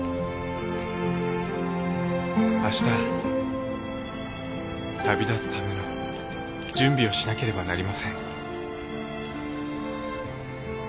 あした旅立つための準備をしなければなりません。